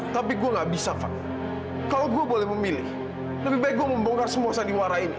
kamu sudah memenuhi tante di sini